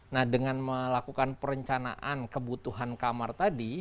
nah dengan melakukan perencanaan kebutuhan kamar tadi